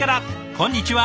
こんにちは。